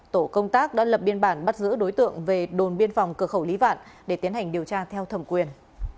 tổ công tác đã lập biên bản bắt giữ đối tượng về đồn biên phòng cửa khẩu lý vạn để tiến hành điều tra theo thẩm quyền